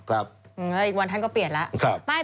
แล้วอีกวันท่านก็เปลี่ยนแล้ว